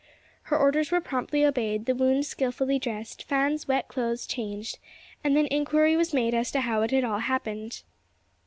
Her orders were promptly obeyed, the wound skillfully dressed, Fan's wet clothes changed, and then inquiry was made as to how it had all happened.